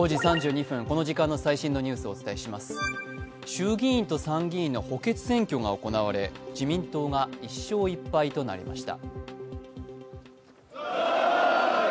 衆議院と参議院の補欠選挙が行われ自民党が１勝１敗となりました。